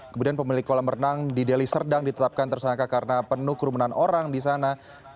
kemudian pemilik kolam renang di deli serdang ditetapkan tersangka karena penuh kerumunan orang di sana